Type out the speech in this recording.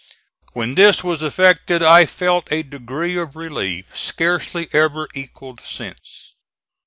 When this was effected I felt a degree of relief scarcely ever equalled since.